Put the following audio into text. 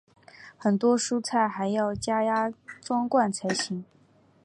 很多蔬菜还要加压装罐才行。